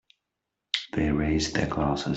They raise their glasses.